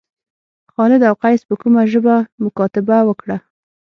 خالد او قیس په کومه ژبه مکاتبه وکړه.